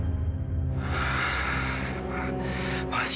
saya sudah berhasil mencari alihnya